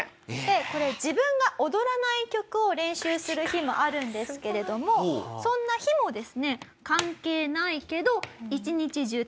これ自分が踊らない曲を練習する日もあるんですけれどもそんな日もですね。